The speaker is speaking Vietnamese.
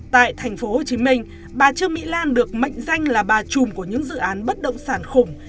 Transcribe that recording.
tại thành phố hồ chí minh bà trương mỹ lan được mệnh danh là bà chùm của những dự án bất động sản khủng